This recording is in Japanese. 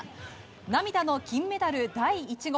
涙の金メダル第１号。